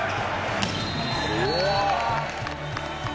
うわ